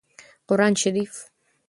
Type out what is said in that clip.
قران شريف